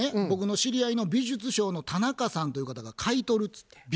僕の知り合いの美術商の田中さんという方が買い取るつって。